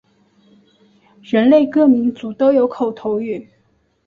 人类各民族都有口头语。